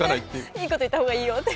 いいこと言った方がいいよって。